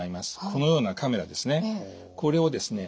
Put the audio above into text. このようなカメラですね。